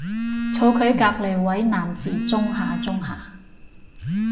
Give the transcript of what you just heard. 坐佢隔離位男士舂下舂下